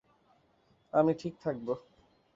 আমি ঠিক থাকব।